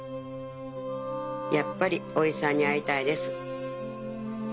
やっぱりおいさんに会いたいです」。